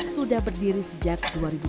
sudah berdiri sejak dua ribu dua puluh